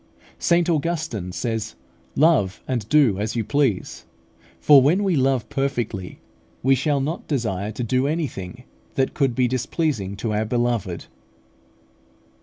St Augustine says, "Love, and do as you please;" for when we love perfectly, we shall not desire to do anything that could be displeasing to our Beloved.